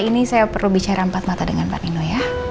ini saya perlu bicara empat mata dengan pak nino ya